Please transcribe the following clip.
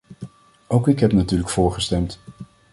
Ook ik heb natuurlijk voorgestemd.